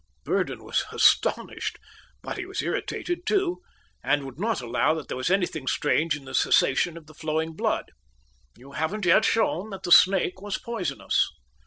Burdon was astonished, but he was irritated, too, and would not allow that there was anything strange in the cessation of the flowing blood. "You haven't yet shown that the snake was poisonous."